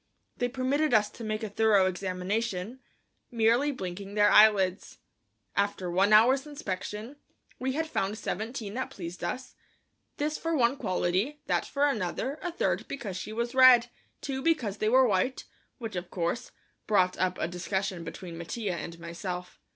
They permitted us to make a thorough examination, merely blinking their eyelids. After one hour's inspection, we had found seventeen that pleased us, this for one quality, that for another, a third because she was red, two because they were white, which, of course, brought up a discussion between Mattia and myself.